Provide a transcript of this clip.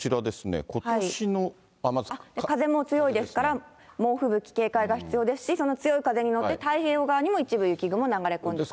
風も強いですから、猛吹雪、警戒が必要ですし、その強い風に乗って、太平洋側にも一部雪雲流れ込んでくる。